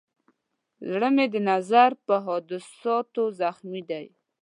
زړګی مې د نظر په حادثاتو زخمي دی.